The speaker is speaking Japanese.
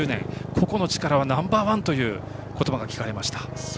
個々の力はナンバー１という言葉が聞かれました。